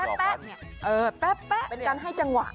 เป็นการให้จังหวะ